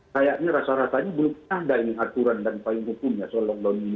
kayaknya rasa rasanya belum ada ini aturan dan apa yang kupunya soal lockdown ini